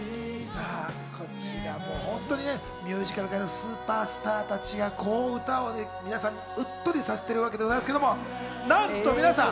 こちらも本当にミュージカル界のスーパースターたちが歌をうっとりさせているわけですけれども、なんと皆さん。